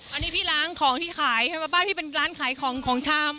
อันนี้พี่ล้างของที่ขายใช่ไหมบ้านพี่เป็นร้านขายของของชำ